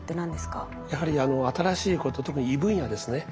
やはり新しいこと特に異分野ですね。